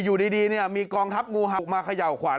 อยู่ดีมีกองทัพงูหักมาเขย่าขวาน